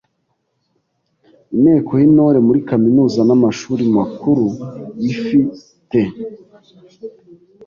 Inteko y’Intore muri kaminuza n’amashuri makuru ifi te